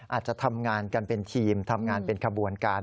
อาจจะทำงานกันเป็นทีมทำงานเป็นขบวนการ